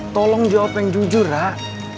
tolong jawab yang jujur rak